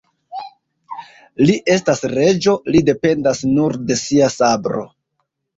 Li estas reĝo, li dependas nur de sia sabro.